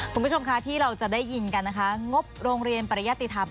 คุณผู้ชมค่ะที่เราจะได้ยินกันนะคะงบโรงเรียนปริยติธรรม